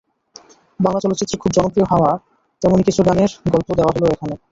বাংলা চলচ্চিত্রে খুব জনপ্রিয় হওয়া তেমনি কিছু গানের গল্প দেওয়া হলো এখানে।